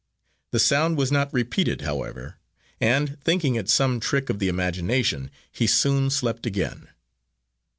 The sound was not repeated, however, and thinking it some trick of the imagination, he soon slept again.